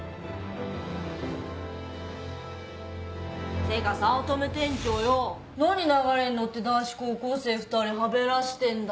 ってか早乙女店長よぉ何流れに乗って男子高校生２人はべらしてんだよ。